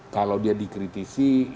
kalau dia dikritisi